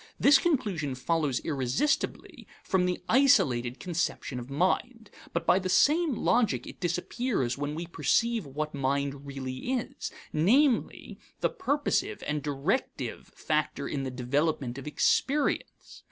This conclusion follows irresistibly from the isolated conception of mind, but by the same logic it disappears when we perceive what mind really is namely, the purposive and directive factor in the development of experience.